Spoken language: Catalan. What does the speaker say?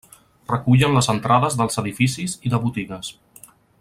Recullen les entrades dels edificis i de botigues.